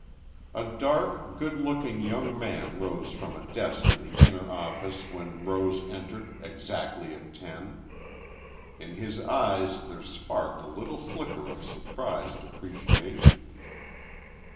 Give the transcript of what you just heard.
A dark, good looking young man rose from a desk in the inner office when Rose entered exactly at ten. In his eyes there sparked a little flicker of surprised appreciation.